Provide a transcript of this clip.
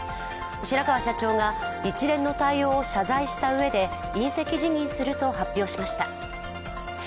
白川社長が一連の対応を謝罪したうえで引責辞任すると発表しました。